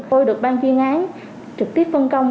tôi được ban chuyên án trực tiếp phân công